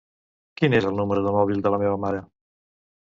Quin és el número de mòbil de la meva mare?